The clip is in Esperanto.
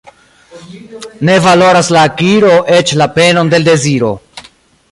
Ne valoras la akiro eĉ la penon de l' deziro.